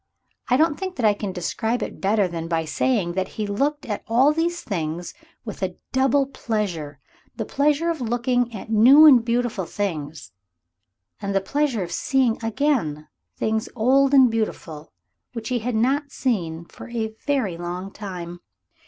I don't think that I can describe it better than by saying that he looked at all these things with a double pleasure the pleasure of looking at new and beautiful things, and the pleasure of seeing again things old and beautiful which he had not seen for a very long time.